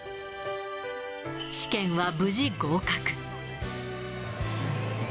試験は無事合格。